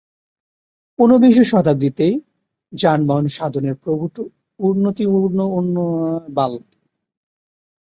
উনবিংশ শতাব্দিতে যানবাহন সাধনের প্রভূত উন্নতি হওয়ার ফলে ভ্রমণকারীরা অল্প সময়ের জন্য অনেক দূরত্বের স্থানে সহজেই যেতে সক্ষম হত।